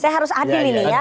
saya harus adil ini ya